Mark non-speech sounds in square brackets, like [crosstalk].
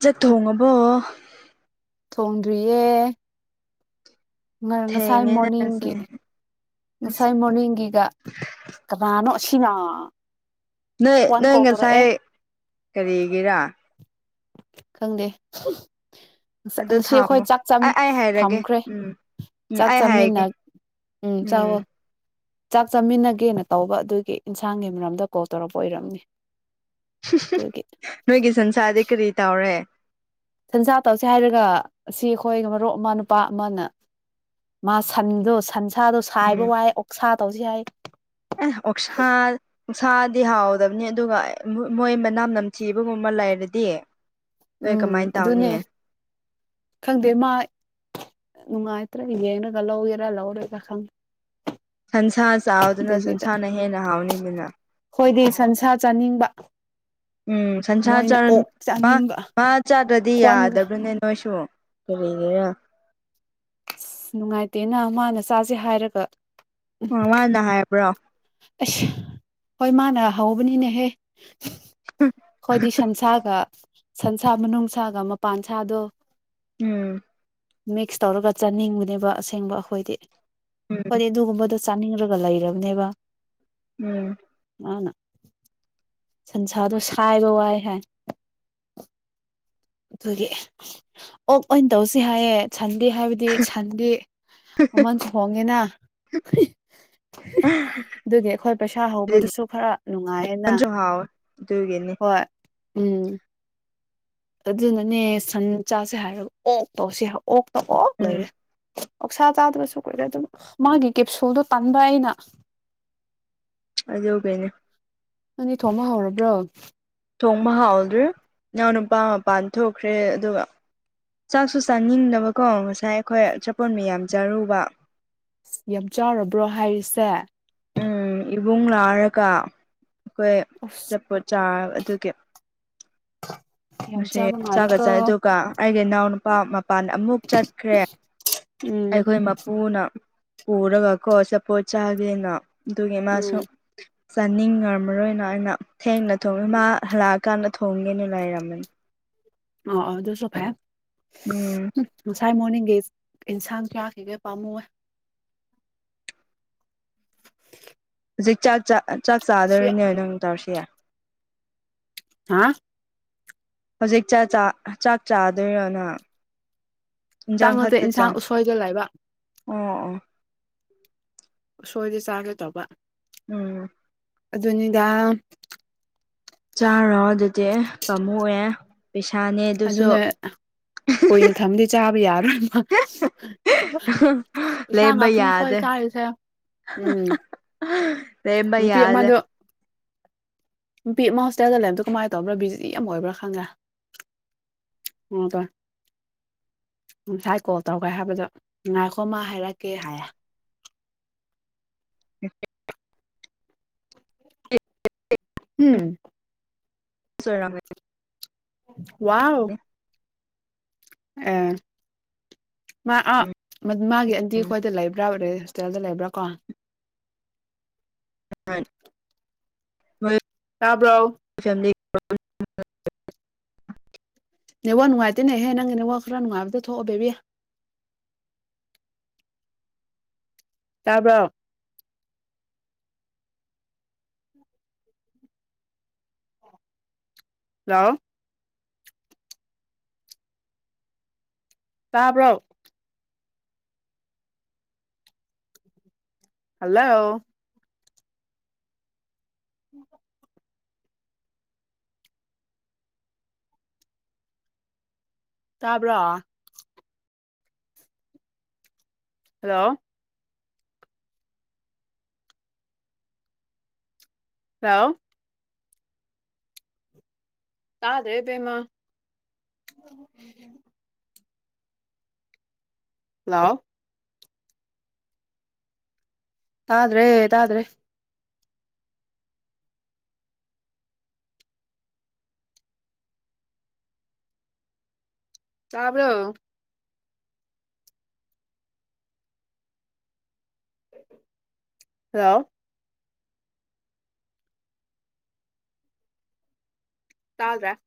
ꯆꯠ ꯊꯣꯡꯉꯕꯣ ꯊꯣꯡꯗ꯭ꯔꯤꯌꯦ ꯉꯁꯥꯏ ꯊꯦꯡꯉꯦꯅ ꯉꯁꯤ ꯃꯣꯔꯅꯤꯡꯒꯤ ꯑꯁ ꯉꯁꯥꯏ ꯃꯣꯔꯅꯤꯡꯒꯤꯒ ꯀꯅꯥꯅꯣ ꯑꯁꯤꯅ ꯅꯣꯏ ꯍ꯭ꯋꯥꯟ ꯅꯣꯏ ꯀꯣꯜ ꯇꯧꯔꯛꯑꯦ ꯉꯁꯥꯏ ꯀꯔꯤꯒꯤꯔꯥ ꯈꯪꯗꯦ ꯑꯗꯨ ꯉꯁꯤ ꯑꯩꯈꯣꯏ ꯊꯥꯝꯃꯣ ꯆꯥꯛ ꯆꯪ ꯑꯩ ꯑꯩ ꯍꯥꯏꯔꯒꯦ ꯊꯝꯈ꯭ꯔꯦ ꯎꯝ ꯎꯝ ꯆꯥꯛ ꯑꯩ ꯆꯥꯃꯤꯟꯅ ꯍꯥꯏꯒꯦ ꯎꯝ ꯆꯥꯋꯣ ꯆꯥꯛ ꯆꯥꯃꯤꯟꯅꯒꯦꯅ ꯇꯧꯕ ꯑꯗꯨꯒꯤ ꯏꯟꯁꯥꯡꯒꯤ ꯃꯔꯝꯗ ꯀꯣꯜ ꯇꯧꯔꯛꯄ ꯑꯣꯏꯔꯝꯅꯤ [inaudible] ꯑꯗꯨꯒꯤ ꯅꯣꯏꯒꯤ ꯁꯟꯁꯥꯗꯤ ꯀꯔꯤ ꯇꯧꯔꯦ ꯁꯟꯁꯥ ꯇꯧꯁꯦ ꯍꯥꯏꯔꯒ ꯑꯁꯤ ꯑꯩꯈꯣꯏ ꯃꯔꯨꯞ ꯑꯃ ꯅꯨꯄꯥ ꯑꯃꯅ ꯃꯥ ꯁꯟꯗꯣ ꯁꯟꯁꯥꯗꯣ ꯁꯥꯏꯕ ꯎꯝ ꯋꯥꯏ ꯑꯣꯛꯁꯥ ꯇꯧꯁꯤ ꯍꯥꯏ ꯑꯦ ꯑꯣꯛꯁꯥ ꯑꯣꯛꯁꯥꯗꯤ ꯍꯥꯎꯗꯕꯅꯤ ꯑꯗꯨꯒ ꯃꯣꯏ ꯃꯅꯝ ꯅꯝꯊꯤꯕꯒꯨꯝꯕ ꯂꯩꯔꯗꯤ ꯅꯣꯏ ꯎꯝ ꯀꯃꯥꯏꯅ ꯇꯧꯅꯤ ꯑꯗꯨꯅꯦ ꯈꯪꯗꯦ ꯃꯥ ꯅꯨꯡꯉꯥꯏꯇ꯭ꯔꯒ ꯌꯦꯡꯉꯒ ꯂꯧꯒꯦꯔꯥ ꯂꯧꯔꯣꯏꯔꯥ ꯈꯪ ꯁꯟꯁꯥ ꯆꯥꯕꯗꯨꯅ ꯁꯟꯁꯥꯅ ꯍꯦꯟꯅ ꯍꯥꯎꯅꯤꯗꯅ ꯍꯣꯏꯗꯤ ꯁꯟꯁꯥ ꯆꯥꯅꯤꯡꯕ ꯎꯝ ꯁꯟꯁꯥ ꯃꯣꯏꯅ ꯆꯟ ꯑꯣꯛ ꯃꯥ ꯆꯥꯅꯤꯡꯕ ꯃꯥ ꯆꯥꯗ꯭ꯔꯗꯤ ꯈ꯭ꯋꯥꯟꯒ ꯌꯥꯗꯕ꯭ꯔꯅꯦ ꯅꯣꯏꯁꯨ ꯀꯔꯤꯅꯤꯔꯥ ꯑꯁ ꯅꯨꯡꯉꯥꯏꯇꯦꯅ ꯃꯥꯅ ꯆꯥꯁꯦ ꯍꯥꯏꯔꯒ [unintelligible] ꯃꯥꯅ ꯍꯥꯏꯕ꯭ꯔꯣ ꯑꯁ ꯍꯣꯏ ꯃꯥꯅ ꯍꯧꯕꯅꯤꯅꯦꯍꯦ ꯈꯣꯏꯗꯤ ꯁꯟꯁꯥꯒ ꯁꯟꯁꯥ ꯃꯅꯨꯡꯁꯥꯒ ꯃꯄꯥꯟ ꯁꯥꯗꯣ ꯎꯝ ꯃꯤꯛꯁ ꯇꯧꯔꯒ ꯆꯥꯅꯤꯡꯕꯅꯦꯕ ꯑꯁꯦꯡꯕ ꯑꯩꯈꯣꯏꯗꯤ ꯎꯝ ꯈꯣꯏꯗꯤ ꯑꯗꯨꯒꯨꯝꯕꯗ ꯆꯥꯅꯤꯡꯔꯒ ꯂꯩꯔꯕꯅꯦꯕ ꯎꯝ ꯃꯥꯅ ꯁꯟꯁꯥꯗꯣ ꯁꯥꯏꯕ ꯋꯥꯏ ꯍꯥꯏ ꯑꯗꯨꯒꯤ ꯑꯣꯛ ꯑꯣꯏꯟ ꯇꯧꯁꯤ ꯍꯥꯏꯌꯦ ꯁꯟꯗꯤ ꯍꯥꯏꯕ ꯗꯤ ꯁꯟꯗꯤ ꯃꯃꯟꯁꯨ ꯍꯣꯡꯉꯦꯅ ꯑꯗꯨꯒꯤ ꯑꯩꯈꯣꯏ ꯄꯩꯁꯥ ꯍꯧꯕꯗꯨꯁꯨ ꯈꯔ ꯅꯨꯡꯉꯥꯏꯌꯦꯅ ꯅꯪꯁꯨ ꯍꯥꯎꯋꯦ ꯑꯗꯨꯒꯤꯅꯤ ꯍꯣꯏ ꯎꯝ ꯑꯗꯨꯅꯅꯦ ꯁꯟ ꯆꯥꯁꯦ ꯍꯥꯏꯔꯒ ꯑꯣꯛꯇꯧꯁꯦ ꯑꯣꯛꯇ ꯑꯣꯛ ꯎꯝ ꯂꯩꯔꯦ ꯑꯣꯛꯁꯥ ꯆꯥꯗꯕꯁꯨ ꯀꯨꯏꯔꯦ ꯑꯗꯨꯝ ꯃꯥꯒꯤ ꯀꯦꯞꯁꯨꯜꯗꯨ ꯇꯟꯕ ꯑꯩꯅ ꯑꯗꯨꯒꯤꯅꯦ ꯅꯪꯗꯤ ꯊꯣꯡꯕ ꯍꯧꯔꯕ꯭ꯔꯣ ꯊꯣꯡꯕ ꯍꯥꯎꯗ꯭ꯔꯤ ꯏꯅꯥꯎ ꯅꯨꯄꯥ ꯃꯄꯥꯟ ꯊꯣꯛꯈ꯭ꯔꯦ ꯑꯗꯨꯒ ꯆꯥꯛꯁꯨ ꯆꯥꯅꯤꯡꯗꯕꯀꯣ ꯉꯁꯥꯏ ꯑꯩꯈꯣꯏ ꯑꯆꯥꯄꯣꯠ ꯃꯌꯥꯝ ꯆꯥꯔꯨꯕ ꯌꯥꯝ ꯆꯥꯎꯔꯕ꯭ꯔꯣ ꯍꯥꯏꯔꯤꯁꯦ ꯎꯝ ꯏꯕꯨꯡ [unintelligible] ꯑꯩꯈꯣꯏ ꯑꯨꯁ ꯑꯆꯥꯄꯣꯠ ꯆꯥ ꯑꯗꯨꯒꯤ ꯌꯥꯝ ꯃꯁꯦ ꯆꯥꯕ ꯆꯥꯛꯀ ꯃꯥꯜꯂꯦꯀꯣ ꯆꯥꯏ ꯑꯗꯨꯒ ꯑꯩꯒꯤ ꯏꯅꯥꯎꯅꯨꯄꯥ ꯃꯄꯥꯟ ꯑꯃꯨꯛ ꯆꯠꯈ꯭ꯔꯦ ꯎꯝ ꯑꯩꯈꯣꯏ ꯄꯨꯅ ꯄꯨꯔꯒ ꯀꯣ ꯑꯆꯥꯄꯣꯠ ꯆꯥꯒꯦꯅ ꯑꯗꯨꯒꯤ ꯃꯥꯁꯨ ꯎꯝ ꯆꯥꯅꯤꯡꯉꯝꯃꯔꯣꯏꯅ ꯑꯩꯅ ꯊꯦꯡꯅ ꯊꯣꯡꯉꯦ ꯃꯥ ꯍꯜꯂꯛꯑꯀꯥꯟꯗ ꯊꯣꯡꯒꯦꯅ ꯂꯩꯔꯝꯕꯅꯤ ꯑꯣ ꯑꯣ ꯑꯗꯨꯁꯨ ꯐꯩ ꯎꯝ ꯉꯁꯥꯏ ꯃꯣꯔꯅꯤꯡꯒꯤ ꯏꯟ ꯏꯟꯁꯥꯡ ꯀꯥꯈꯤꯒꯩ ꯄꯥꯝꯃꯨꯋꯦ ꯍꯧꯖꯤꯛ ꯆꯥꯛ ꯆꯥꯛ ꯁꯤ ꯆꯥꯗꯧꯔꯤꯅꯦ ꯅꯪ ꯇꯧꯔꯁꯤ ꯌꯥ ꯍꯥ ꯍꯧꯖꯤꯛ ꯆ ꯆ ꯆꯥꯛ ꯆꯥꯗꯣꯏꯔꯅ ꯆꯥꯡ ꯅꯠꯇꯦ ꯏꯟꯁꯥꯡ ꯎꯁꯣꯏꯗ ꯂꯩꯕ ꯑꯣ ꯎ ꯁꯣꯏꯗꯤ ꯆꯥꯒꯦ ꯇꯧꯕ ꯎꯝ ꯑꯗꯨꯅꯤꯗ ꯆꯥꯔꯣ ꯑꯗꯨꯗꯤ ꯄꯥꯝꯃꯨꯏꯑꯦ ꯄꯩꯁꯥꯅꯦ ꯑꯗꯨꯁꯨ ꯑꯗꯨꯅ ꯀꯨꯏꯅ ꯊꯝꯗꯤ ꯆꯥꯕ ꯌꯥꯔꯣꯏ ꯏꯁꯥ ꯂꯦꯝꯕ ꯉꯥꯛꯇꯅꯦ ꯈꯣꯏ ꯌꯥꯗꯦ ꯆꯥꯔꯤꯁꯦ ꯎꯝ ꯂꯦꯝꯕ ꯅꯨꯄꯤ ꯌꯥꯗꯦ ꯃꯗ ꯅꯨꯄꯤ ꯑꯃꯥ ꯍꯣꯁꯇꯦꯜꯗ ꯂꯩꯝꯇꯣ ꯀꯃꯥꯏꯅ ꯇꯧꯕꯔꯥ ꯕꯤꯖꯤ ꯑꯃ ꯑꯣꯏꯕ꯭ꯔ ꯈꯪ꯭ꯗꯦ ꯍꯨꯝꯗ ꯉꯁꯥꯏ ꯀꯣꯜ ꯇꯧꯒꯦ ꯍꯥꯏꯕꯗꯣ ꯉꯥꯏꯈꯣ ꯃꯥ ꯍꯥꯏꯔꯛꯀꯦ ꯍꯥꯏꯌꯦ ꯎꯝ ꯆꯣꯏꯔꯝꯃꯦ ꯋꯥꯎ ꯑ ꯃꯥ ꯑꯥ ꯃꯥꯒꯤ ꯑꯟꯗꯤ ꯑꯩꯈꯣꯏꯗ ꯂꯩꯕ꯭ꯔꯥ ꯑꯣꯔ ꯍꯣꯁꯇꯦꯜꯗ ꯂꯩꯕ꯭ꯔꯥ ꯀꯣ [inaudible] ꯇꯥꯕ꯭ꯔꯣ ꯆꯥꯅꯤꯕꯥꯔꯣ ꯅꯋꯥ ꯅꯨꯉꯥꯏꯇꯅꯦꯍꯦ ꯅꯦꯋꯥ ꯛ ꯅꯨꯉꯥꯏꯕꯣ ꯊꯣꯛꯑꯣ ꯕꯦꯕꯤ ꯇꯥꯕ꯭ꯔꯣ ꯂꯥꯑꯣ ꯇꯥꯕ꯭ꯔꯣ ꯍꯜꯂꯣ [inaudible] ꯇꯥꯕ꯭ꯔꯥ ꯍꯜꯂꯣ ꯍꯜꯂꯣ ꯇꯥꯗꯦ ꯕꯦꯝꯃ ꯍꯜꯂꯣ ꯇꯥꯗꯔꯦ ꯇꯥꯗꯔꯦ ꯇꯥꯕ꯭ꯔꯣ ꯍꯜꯂꯣ ꯇꯥꯗꯔꯦ